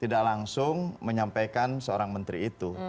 tidak langsung menyampaikan seorang menteri itu